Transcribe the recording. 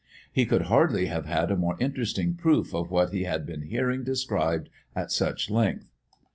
He could hardly have had a more interesting proof of what he had been hearing described at such length.